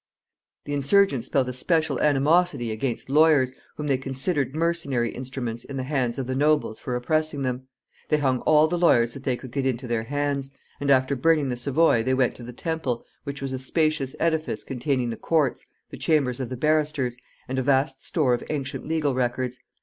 The insurgents felt a special animosity against lawyers, whom they considered mercenary instruments in the hands of the nobles for oppressing them. They hung all the lawyers that they could get into their hands, and after burning the Savoy they went to the Temple, which was a spacious edifice containing the courts, the chambers of the barristers, and a vast store of ancient legal records.